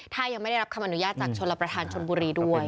ถ้ายังไม่ได้รับคำอนุญาตจากชนรับประทานชนบุรีด้วย